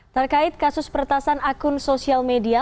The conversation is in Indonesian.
terkait kasus peretasan akun sosial media